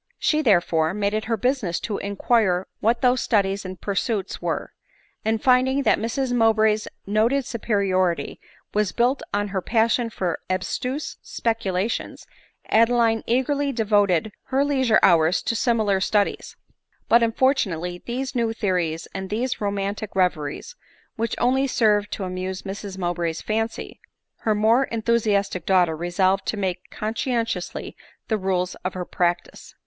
She therefore, made it her business to inquire what those studies and pursuits were ; and finding that Mrs Mowbray's noted superiority was built on her passion for abstruse speculations, Adeline eagerly devoted her lei sure hours to similar studies ; but, unfortunately, these new theories, and these romantic reveries, which only served to amuse Mrs Mowbray's fancy, her more enthu siastic daughter resolved to make conscientiously the rules of her practice.